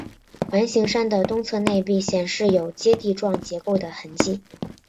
环形山的东侧内壁显示有阶地状结构的痕迹。